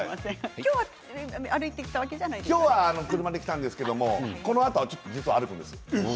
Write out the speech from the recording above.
今日は車で来たんですけどこのあと、実は歩くんです。